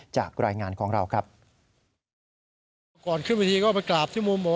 จากรายงานของเราครับ